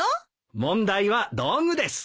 問題は道具です。